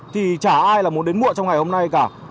thì chả ai là muốn đến muộn trong ngày hôm nay cả